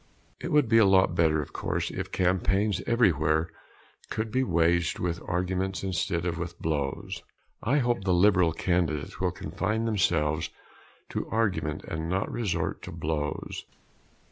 It would be a lot better, of course, if campaigns everywhere could be waged with arguments instead of with blows. I hope the liberal candidates will confine themselves to argument and not resort to blows.